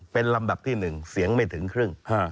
เป็นลำดับที่๑เสียงไม่ถึงครึ่ง